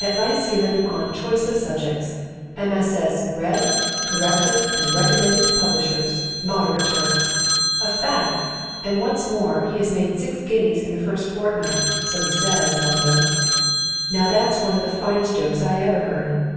"Advice given on choice of subjects, MSS. read, corrected, and recommended to publishers. Moderate terms." A fact! And what's more, he made six guineas in the first fortnight; so he says, at all events. Now that's one of the finest jokes I ever heard.